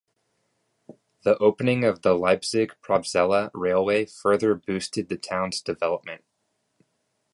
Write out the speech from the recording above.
The opening of the Leipzig-Probstzella railway further boosted the town's development.